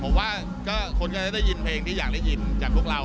ผมว่าคนก็จะได้ยินเพลงที่อยากได้ยินจากพวกเรา